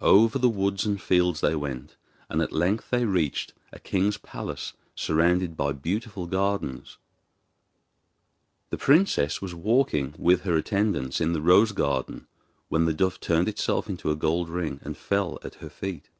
Over the woods and fields they went, and at length they reached a king's palace surrounded by beautiful gardens. The princess was walking with her attendants in the rose garden when the dove turned itself into a gold ring and fell at her feet.